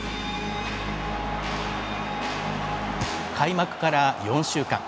開幕から４週間。